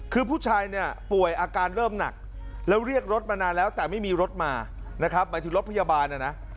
คือผู้ชายเนี่ยป่วยอาการเริ่มหนักแล้วเรียกรถมานานแล้วแต่ไม่มีรถมานะครับหมายถึงรถพยาบาลนะนะ